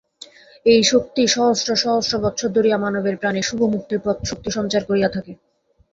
এই শক্তি সহস্র সহস্র বৎসর ধরিয়া মানবের প্রাণে শুভ মুক্তিপ্রদ শক্তি সঞ্চার করিয়া থাকে।